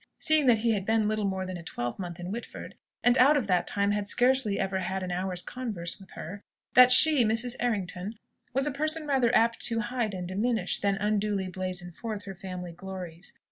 seeing that he had been little more than a twelvemonth in Whitford, and out of that time had scarcely ever had an hour's converse with her) that she, Mrs. Errington, was a person rather apt to hide and diminish, than unduly blazon forth her family glories.